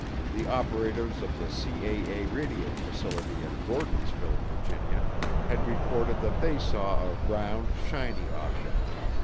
the operators of the CAA radio facility at Gordonsville, Virginia, had reported that they saw a "round, shiny object."